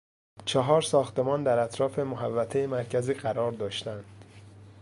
چهار ساختمان در اطراف محوطهی مرکزی قرار داشتند.